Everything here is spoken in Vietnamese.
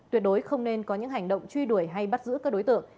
tuyệt đối không nên có những hành động truy đuổi hay bắt giữ các đối tượng